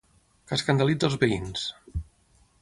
Que escandalitza els veïns.